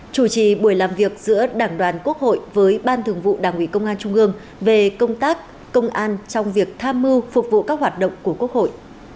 chủ trì buổi làm việc giữa đảng đoàn quốc hội với ban thường vụ đảng ủy công an trung ương về công tác công an trong việc tham mưu phục vụ các hoạt động của quốc hội